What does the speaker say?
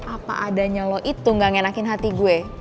apa adanya lo itu gak ngenakin hati gue